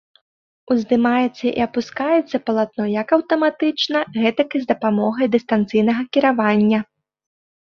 Уздымаецца і апускаецца палатно як аўтаматычна, гэтак і з дапамогай дыстанцыйнага кіравання.